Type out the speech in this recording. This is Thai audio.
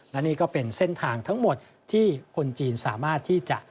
และนี่ก็เป็นเส้นทางทั้งหมดที่คนจีนสามารถที่จะ